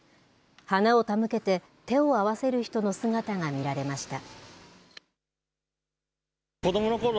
花を手向けて、手を合わせる人の姿が見られました。